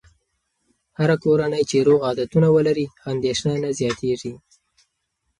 هره کورنۍ چې روغ عادتونه ولري، اندېښنه نه زیاتېږي.